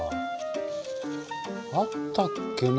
あったっけな？